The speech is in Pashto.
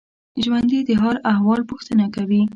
ژوندي د حال احوال پوښتنه کوي